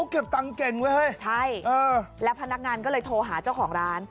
เก็บตังค์เก่งไว้เฮ้ยใช่เออแล้วพนักงานก็เลยโทรหาเจ้าของร้าน